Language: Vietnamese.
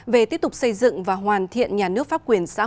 về tiếp tục xây dựng và hoàn thiện nhà nước pháp quyền xã hội